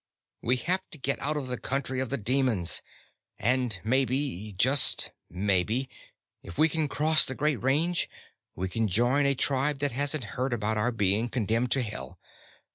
"We have to get out of the country of the demons. And maybe just maybe if we can cross the Great Range, we can join a tribe that hasn't heard about our being condemned to Hell.